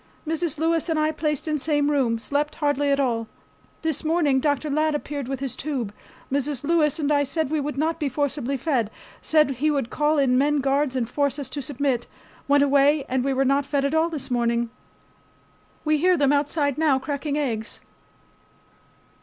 Mrs. Lewis and I placed in same room. Slept hardly at all. This morning Dr. Ladd appeared with his tube. Mrs. Lewis and I said we would not be forcibly fed. Said he would call in men guards and force us to submit. Went away and we were not fed at all this morning. We hear them outside now cracking eggs.